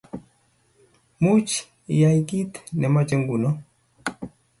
Muuch iyae kiit nemache nguno